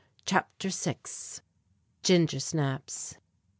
CHAPTER VI. GINGER SNAPS.